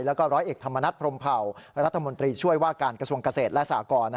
แล้วก็ร้อยเอกธรรมนัฐพรมเผารัฐมนตรีช่วยว่าการกระทรวงเกษตรและสากร